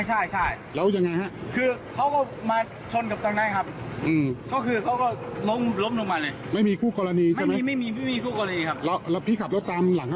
ใช่แล้วยังไงฮะ